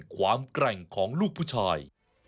แกร่งของลูกผู้ชาย